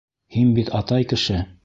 Һин бит атай кеше.